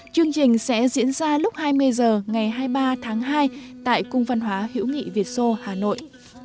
chương trình sẽ diễn ra lúc hai mươi h ngày hai mươi ba tháng hai tại cung văn hóa hữu nghị việt sô hà nội